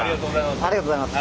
ありがとうございます。